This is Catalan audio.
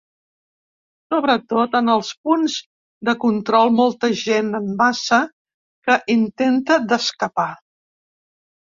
Sobretot, en els punts de control, molta gent, en massa, que intenta d’escapar.